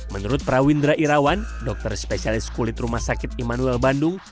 menurut prawindra irawan dokter spesialis kulit rumah sakit immanuel bandung